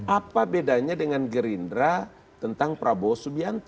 apa bedanya dengan gerindra tentang prabowo subianto